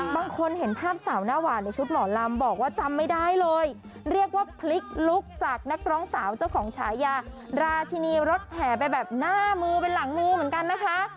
แบบหน้ามือเป็นหลังมือเหมือนกันนะคะ